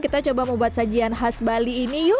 kita coba membuat sajian khas bali ini yuk